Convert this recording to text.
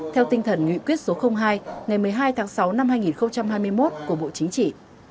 theo tinh thần nghị quyết số hai ngày một mươi hai tháng sáu năm hai nghìn hai mươi một của bộ chính trị